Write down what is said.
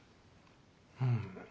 うん。